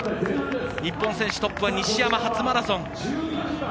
日本選手トップは西山初マラソン。